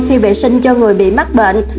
khi vệ sinh cho người bị mắc bệnh